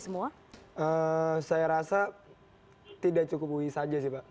saya rasa tidak cukup ui saja pak